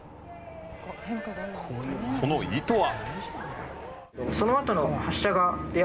その意図は。